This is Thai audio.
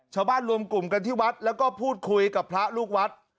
รวมกลุ่มกันที่วัดแล้วก็พูดคุยกับพระลูกวัด